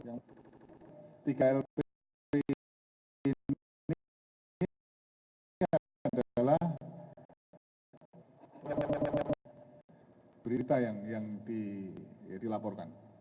yang tiga lpp ini adalah berita yang dilaporkan